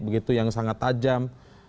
begitu yang sangat tajam